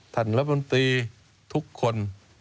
ท่านรัฐมนตรีทุกคน